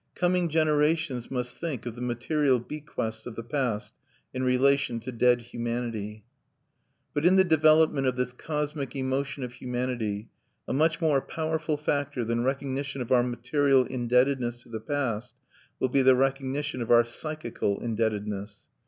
Coming generations must think of the material bequests of the past in relation to dead humanity. But in the development of this "cosmic emotion" of humanity, a much more powerful factor than recognition of our material indebtedness to the past will be the recognition of our psychical indebtedness.